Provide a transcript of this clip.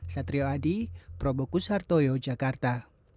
satrio adi probokus hartoyo jakarta